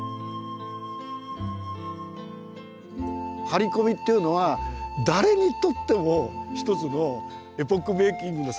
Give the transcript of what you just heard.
「張込み」っていうのは誰にとってもひとつのエポックメーキングの作品だったと。